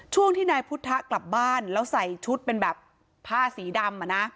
ช่วงที่นายพุทธกลับบ้านแล้วใส่ชุดเป็นแบบผ้าสีดำ